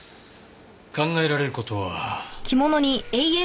考えられる事は。